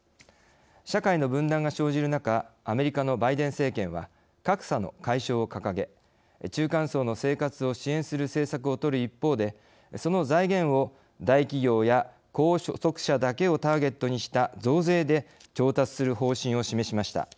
社会の分断が生じる中アメリカのバイデン政権は格差の解消を掲げ中間層の生活を支援する政策を取る一方でその財源を大企業や高所得者だけをターゲットにした増税で調達する方針を示しました。